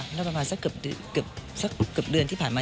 ก็ประมาณสักเหครอบเดือนที่ผ่านมา